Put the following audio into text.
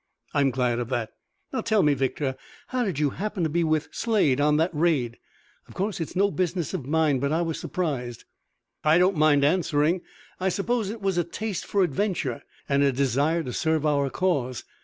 "I'm glad of that. Now, tell me, Victor, how did you happen to be with Slade on that raid? Of course it's no business of mine, but I was surprised." "I don't mind answering. I suppose it was a taste for adventure, and a desire to serve our cause.